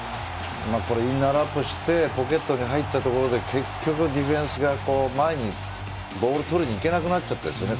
インナーラップしてポケットに入ったところで結局、ディフェンスが前にボールをとりにいけなくなっちゃったんですよね。